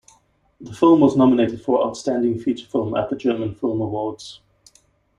The film was nominated for Outstanding Feature Film at the German Film Awards.